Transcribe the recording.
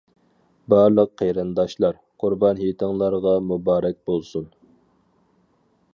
بارلىق قېرىنداشلار، قۇربان ھېيتىڭلارغا مۇبارەك بولسۇن.